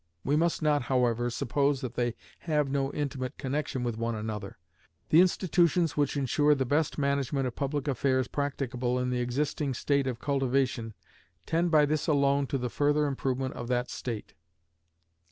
We must not, however, suppose that they have no intimate connection with one another. The institutions which insure the best management of public affairs practicable in the existing state of cultivation tend by this alone to the further improvement of that state.